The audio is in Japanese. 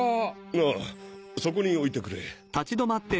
あぁそこに置いてくれ。